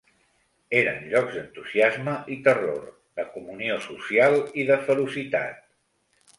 Eren llocs d'entusiasme i terror, de comunió social i de ferocitat.